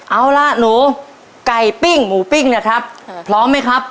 เอาล่ะหนูไก่ปิ้งหมูปิ้งนะครับพร้อมไหมครับ